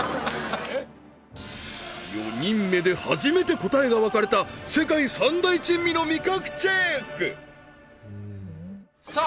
４人目で初めて答えが分かれた世界三大珍味の味覚チェックさあ